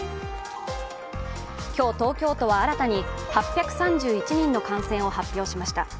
今日、東京都は新たに８３１人の感染を発表しました。